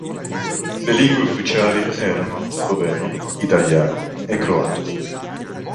Le lingue ufficiali erano sloveno, italiano e croato.